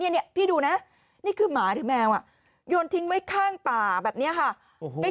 นี่พี่ดูนะนี่คือหมาหรือแมวโยนทิ้งไว้ข้างป่าแบบนี้ค่ะโอ้โห